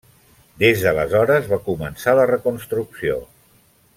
Des d'aleshores va començar la reconstrucció.